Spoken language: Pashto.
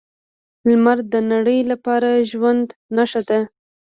لمر د نړۍ لپاره د ژوند نښه ده.